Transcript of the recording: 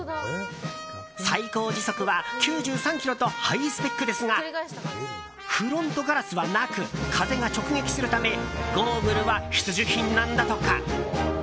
最高時速は９３キロとハイスペックですがフロントガラスはなく風が直撃するためゴーグルは必需品なんだとか。